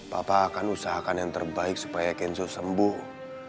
papa akan usahakan yang terbaik supaya kenzo sembuh